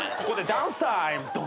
ここでダンスタイム。